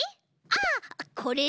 ああこれ？